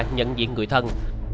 nhận diện người thân